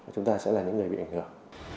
chúng ta sẽ là những người bị ảnh hưởng